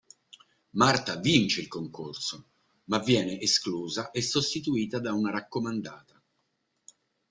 Marta vince il concorso, ma viene esclusa e sostituita da una raccomandata.